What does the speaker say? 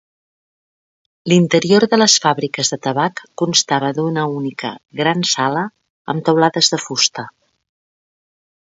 L'interior de les fàbriques de tabac constava d'una única gran sala amb teulades de fusta.